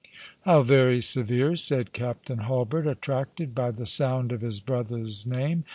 " How very severe !" said Captain Hulbert, attracted by the sound of his brother's name.